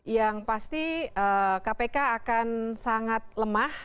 yang pasti kpk akan sangat lemah